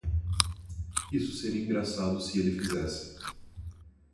Isso seria engraçado se ele fizesse.